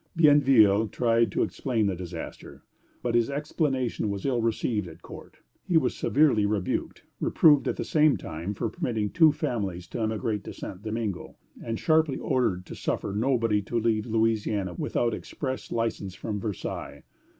Bienville tried to explain the disaster, but his explanation was ill received at court; he was severely rebuked, reproved at the same time for permitting two families to emigrate to St. Domingo, and sharply ordered to suffer nobody to leave Louisiana without express license from Versailles.